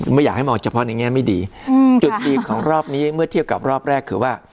ไม่อยากให้มองเฉพาะในแง่ไม่ดีจุดดีของรอบนี้เมื่อเทียบกับรอบแรกคือว่า